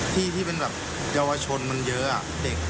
ที่เป็นแบบเยาวชนมันเยอะอะเด็ก